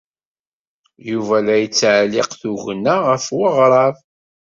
Yuba la yettɛelliq tugna ɣef weɣrab.